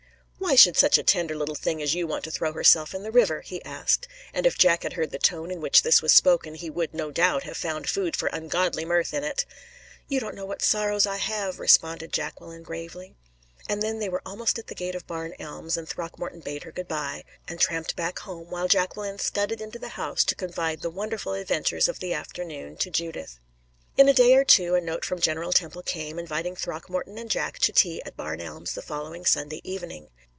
"Why should such a tender little thing as you want to throw herself in the river?" he asked; and if Jack had heard the tone in which this was spoken, he would, no doubt, have found food for ungodly mirth in it. "You don't know what sorrows I have," responded Jacqueline, gravely. And then they were almost at the gate of Barn Elms, and Throckmorton bade her good by, and tramped back home, while Jacqueline scudded into the house to confide the wonderful adventures of the afternoon to Judith. In a day or two a note from General Temple came, inviting Throckmorton and Jack to tea at Barn Elms the following Sunday evening.